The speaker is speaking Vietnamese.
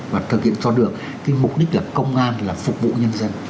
và thực hiện cho được cái mục đích là công an là phục vụ nhân dân